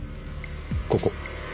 ここ。